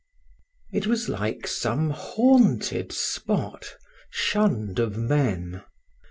It was like some haunted spot, shunned of men.